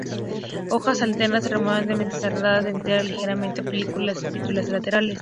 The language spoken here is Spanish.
Hojas alternas, remotamente serradas o enteras, ligeramente oblicuas; estípulas laterales.